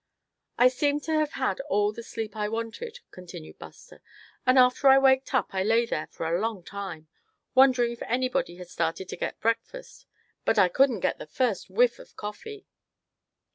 "I seemed to have had all the sleep I wanted," continued Buster; "and after I waked up I lay there for a long time, wondering if anybody had started in to get breakfast; but I couldn't get the first whiff of coffee."